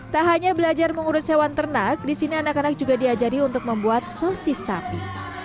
tak hanya belajar mengurus hewan ternak di sini anak anak juga diajari untuk membuat sosis sapi